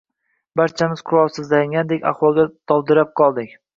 Barchamiz qurolsizlangandek ahvolda dovdirab qoldik